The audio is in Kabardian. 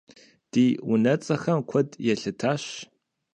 Ди унэцӀэхэм куэд елъытащ.